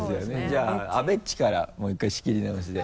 じゃあ阿部っちからもう一回仕切り直しで。